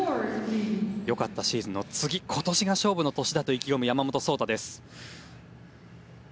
よかったシーズンの次今年が勝負の年だと意気込む山本草太です。